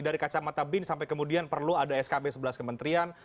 dari kacamata bin sampai kemudian perlu ada skb sebelas kementerian